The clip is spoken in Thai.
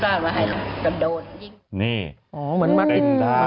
แต่ว่าเรื่องปลาเต้นแหละ